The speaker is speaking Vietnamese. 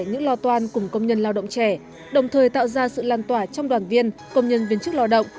những lo toan cùng công nhân lao động trẻ đồng thời tạo ra sự lan tỏa trong đoàn viên công nhân viên chức lao động